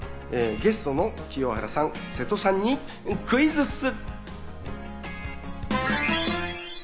ゲストの清原さん、瀬戸さんにクイズッス！